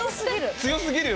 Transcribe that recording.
強すぎる。